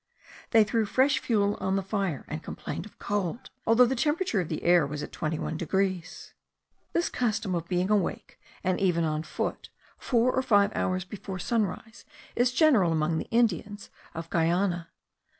They threw fresh fuel on the fire, and complained of cold, although the temperature of the air was at 21 degrees. This custom of being awake, and even on foot, four or five hours before sunrise, is general among the Indians of Guiana.